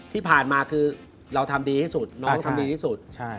ที่ผ่านมาคือเราทำดีที่สุดน้องทำดีที่สุด